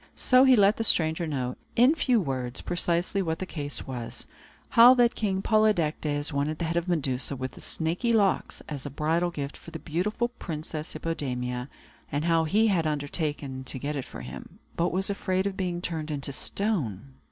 So he let the stranger know, in few words, precisely what the case was, how that King Polydectes wanted the head of Medusa with the snaky locks as a bridal gift for the beautiful Princess Hippodamia, and how that he had undertaken to get it for him, but was afraid of being turned into stone.